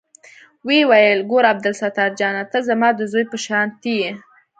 ويې ويل ګوره عبدالستار جانه ته زما د زوى په شانتې يې.